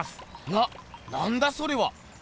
ななんだそれは。